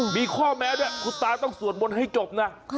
มีข้อแม้ด้วยคุณตาต้องสวดมนต์ให้จบนะ